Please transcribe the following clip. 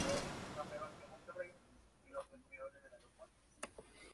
Estas gorras pueden ser de Mario, de Luigi o de Wario.